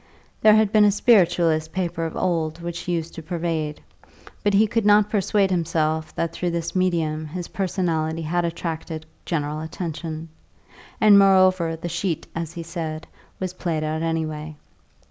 There had been a Spiritualist paper of old which he used to pervade; but he could not persuade himself that through this medium his personality had attracted general attention; and, moreover, the sheet, as he said, was played out anyway.